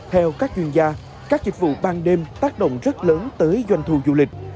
theo các chuyên gia các dịch vụ ban đêm tác động rất lớn tới doanh thu du lịch